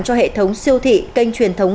cho hệ thống siêu thị kênh truyền thống